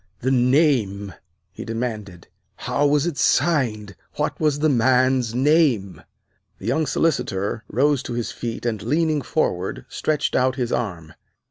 "The name!" he demanded. "How was it signed? What was the man's name!" The young Solicitor rose to his feet and, leaning forward, stretched out his arm.